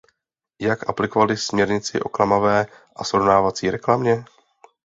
Jak aplikovaly směrnici o klamavé a srovnávací reklamě?